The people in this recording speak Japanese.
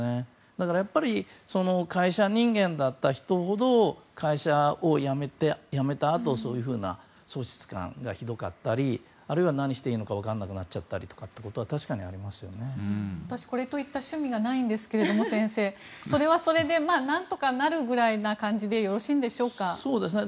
会社人間だった人ほど会社を辞めたあとそういうふうな喪失感がひどかったりあるいは何しているか分からなくなっちゃったりっていうのは私、これといった趣味がないんですがそれはそれで何とかなるぐらいな感じでよろしいんでしょうか？